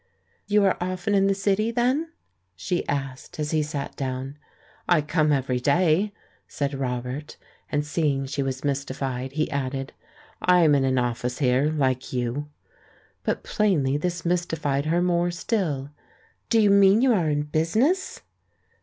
"You are often in the City, then?" she asked as he sat down. "I come every day," said Robert; and seeing she was mystified, he added, "I am in an office here, like you." But plainly this mystified her more still. "Do you mean you are in business?"